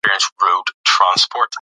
کور باید هره ورځ پاک شي.